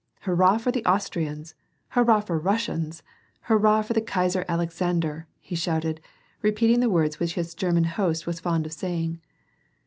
" Hurrah for the Austrians ! hurrali for the Rus sians! hurrah for the Kaiser Alexander!"! h© shouted, repeating the words which his German host was fond of say ing.